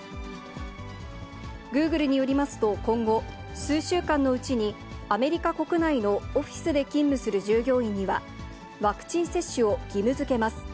グーグルによりますと今後、数週間のうちにアメリカ国内のオフィスで勤務する従業員には、ワクチン接種を義務づけます。